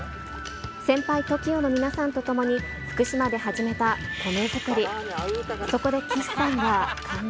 先輩、ＴＯＫＩＯの皆さんと共に福島で始めた米作り。